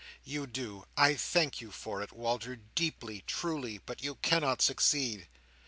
You do. I thank you for it, Walter, deeply, truly; but you cannot succeed.